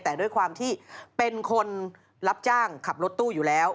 แต่ด้วยความที่เป็นคนรับจ้างขับรถตู้อยู่แล้ว